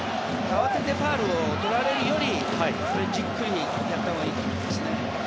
慌ててファウルを取られるよりじっくりやったほうがいいと思いますね。